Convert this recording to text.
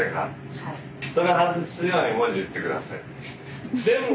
はい。